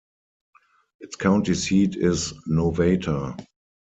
Its county seat is Nowata.